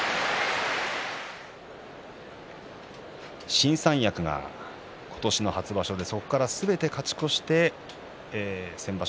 新三役が今年の初場所でそこからすべて勝ち越して先場所